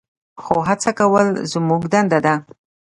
خو هڅه کول زموږ دنده ده.